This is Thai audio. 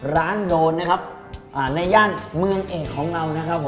ร้านโดนนะครับในย่านเมืองเอกของเรานะครับผม